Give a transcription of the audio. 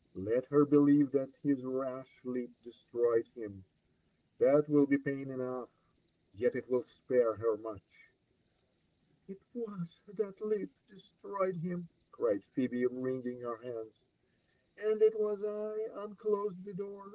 Let her believe that his rash leap destroyed him, — that will be pain enoughfr yet it will spare her mueh." ^ 'it UiNia that leap destroyed him/' cried Pbebe, wringing her hauda ;— "and it was I unclosed the door.